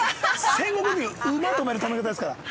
戦国時代に、馬、止める止め方ですから。